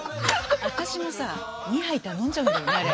私もさ２杯頼んじゃうんだよねあれ。